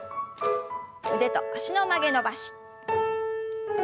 腕と脚の曲げ伸ばし。